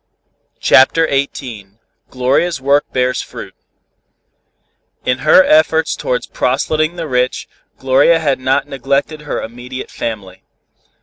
CHAPTER XVIII GLORIA'S WORK BEARS FRUIT In her efforts towards proselyting the rich, Gloria had not neglected her immediate family.